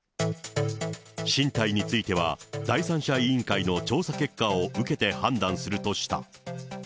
進退については、第三者委員会の調査結果を受けて判断するとした。